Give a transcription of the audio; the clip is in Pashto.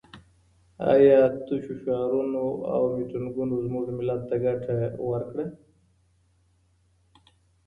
ایا تشو شعارونو او میټینګونو زموږ ملت ته ګټه ورسوله؟